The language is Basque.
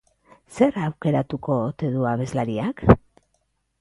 Zer aukeratuko ote du abeslariak?